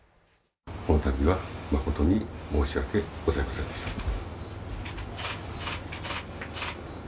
この度は誠に申し訳ございませんでした。